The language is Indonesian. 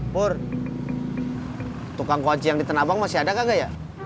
pur tukang gojek yang di tenabang masih ada kakak ya